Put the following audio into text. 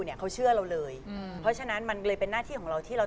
ได้ข้อมูลมาจากสามีใช่ไหม